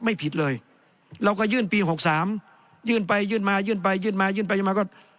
ไม่ผิดเลยเราก็ยื่นปี๖๓ยื่นไปยื่นมายื่นไปยื่นมายื่นไปยื่นมาก็